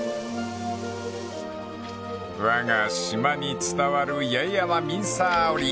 ［わが島に伝わる八重山みんさー織］